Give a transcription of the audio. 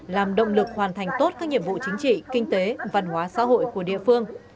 làm động lực hoàn thành tốt các nhiệm vụ chính trị kinh tế văn hóa xã hội của địa phương